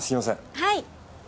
はい。